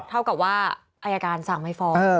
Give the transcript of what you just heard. เท่ากับว่าอายการสั่งไม่ฟ้อง